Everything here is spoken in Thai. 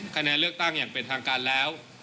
คะแนนเลือกตั้งอย่างเป็นทางการแล้ว